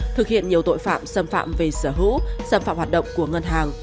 thực hiện nhiều tội phạm xâm phạm về sở hữu xâm phạm hoạt động của ngân hàng